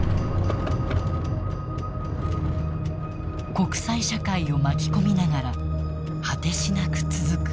国際社会を巻き込みながら果てしなく続く